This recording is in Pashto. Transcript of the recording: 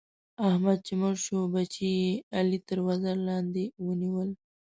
احمد چې مړ شو؛ بچي يې علي تر وزر باندې ونيول.